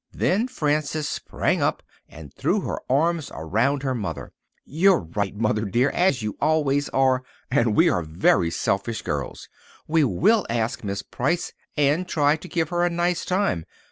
Then Frances sprang up and threw her arms around her mother. "You're right, Mother dear, as you always are, and we are very selfish girls. We will ask Miss Price and try to give her a nice time.